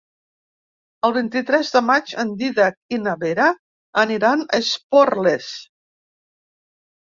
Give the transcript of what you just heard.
El vint-i-tres de maig en Dídac i na Vera aniran a Esporles.